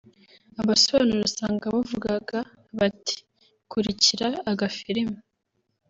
abasobanura usanga bavugaga bati “kurikira agafilime